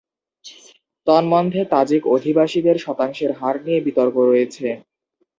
তন্মধ্যে, তাজিক অধিবাসীদের শতাংশের হার নিয়ে বিতর্ক রয়েছে।